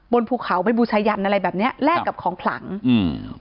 ภูเขาไปบูชายันอะไรแบบเนี้ยแลกกับของขลังอืม